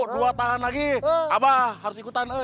dua tangan lagi apa harus ikutan